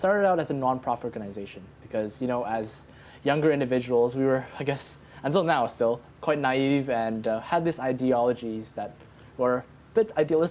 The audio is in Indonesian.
kita mulai sebagai organisasi non profit karena sebagai orang muda kita masih naif dan memiliki ideologi yang agak idealis